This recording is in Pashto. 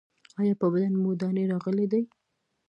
ایا په بدن مو دانې راغلي دي؟